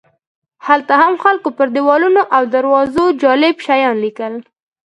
هلته هم خلکو پر دیوالونو او دروازو جالب شیان لیکل.